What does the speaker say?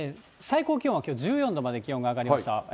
最高気温はきょう、１４度まで気温が上がりました。